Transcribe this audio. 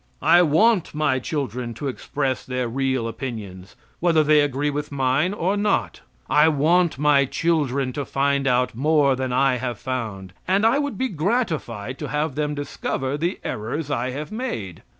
I want my children to express their real opinions, whether they agree with mine or not. I want my children to find out more than I have found, and I would be gratified to have them discover the errors I have made.